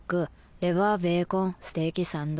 レバーベーコンステーキサンド。